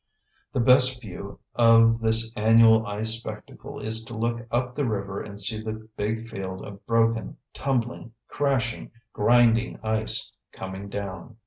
The best view of this annual ice spectacle is to look up the river and see the big field of broken, tumbling, crashing, grinding ice coming down.